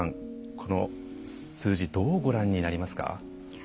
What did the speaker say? この数字どうご覧になりますか？